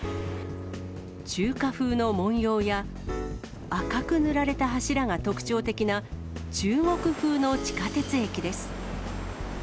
中華風の文様や、赤く塗られた柱が特徴的な中国風の地下鉄駅です。